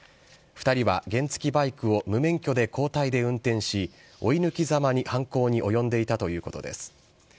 ２人は原付バイクを無免許で交代で運転し、追い抜きざまに犯行に及んでいたということです。